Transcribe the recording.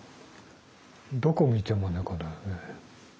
どこを見ても猫だよね。